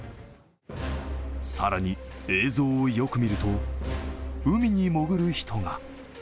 更に、映像をよく見ると海に潜る人が。